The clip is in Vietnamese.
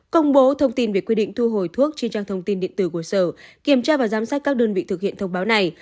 công bố thông tin về quy định thu hồi thuốc trên trang thông tin điện tử của sở kiểm tra và giám sát các đơn vị thực hiện thông báo này